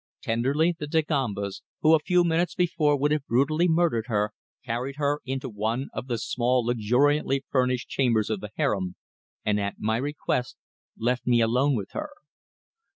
Tenderly the Dagombas, who a few minutes before would have brutally murdered her, carried her into one of the small luxuriantly furnished chambers of the harem, and at my request left me alone with her.